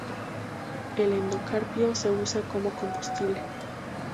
El endocarpio se usa como combustible.